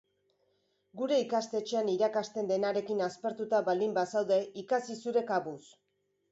Gure ikastetxean irakasten denarekin aspertuta baldin bazaude, ikasi zure kabuz.